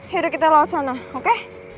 ya udah kita lewat sana oke